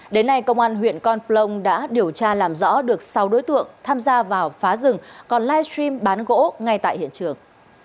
đến nay công an huyện con plông đã điều tra làm rõ được sáu đối tượng tham gia vào phá rừng còn livestream bán gỗ ngay tại hiện trường